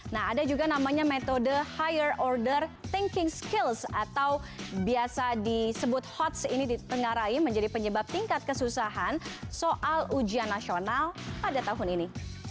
nah ada juga namanya metode higher order thinking skills atau biasa disebut hots ini ditengarai menjadi penyebab tingkat kesusahan soal ujian nasional pada tahun ini